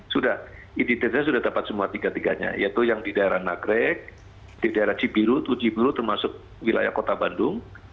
sudah identitasnya sudah dapat semua tiga tiganya yaitu yang di daerah nagrek di daerah cibiru tujiburu termasuk wilayah kota bandung